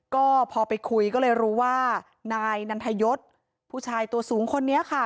ก็พอไปคุยก็เลยรู้ว่านายนันทยศผู้ชายตัวสูงคนนี้ค่ะ